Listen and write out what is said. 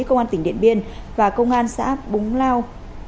công an tỉnh điện biên và công an xã búng lao